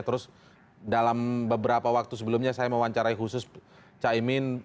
terus dalam beberapa waktu sebelumnya saya mewawancarai khusus caimin